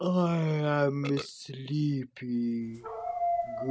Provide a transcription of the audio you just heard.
'I am sleepy.